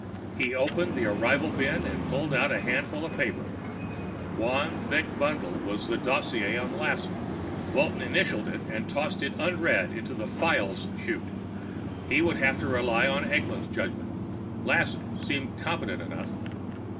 He opened the arrival bin and pulled out a handful of paper. One thick bundle was the dossier on Lassen; Walton initialed it and tossed it unread into the Files chute. He would have to rely on Eglin's judgement; Lassen seemed competent enough.